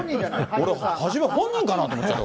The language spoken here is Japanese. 俺、初め本人かなと思っちゃった。